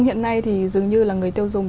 hiện nay thì dường như là người tiêu dùng